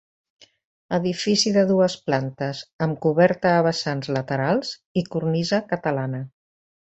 Edifici de dues plantes amb coberta a vessants laterals i cornisa catalana.